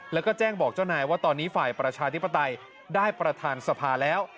แล้วก็แจ้งบอกเจ้านายว่าตอนนี้ฝ่ายประชาธิปไตยได้ประธานสภาแล้ว